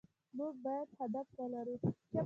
مونږ بايد هدف ولرو